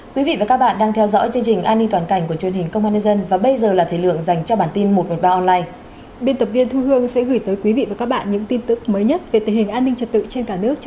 các bạn hãy đăng ký kênh để ủng hộ kênh của chúng mình nhé